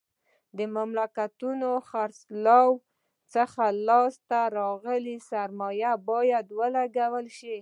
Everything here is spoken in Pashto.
د ملکیتونو خرڅلاو څخه لاس ته راغلې سرمایه باید ولګول شي.